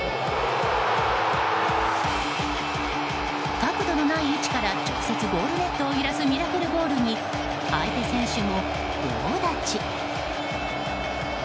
角度のない位置から直接ゴールネットを揺らすミラクルゴールに相手選手も棒立ち。